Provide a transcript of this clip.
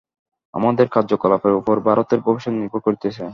আমাদের কার্যকলাপের উপরই ভারতের ভবিষ্যৎ নির্ভর করিতেছে।